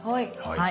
はい。